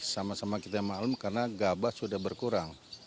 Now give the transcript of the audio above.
sama sama kita yang malu karena gabah sudah berkurang